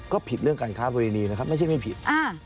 ก็ผิดเรื่องการค้าประเวณีนะครับไม่ใช่ไม่ผิด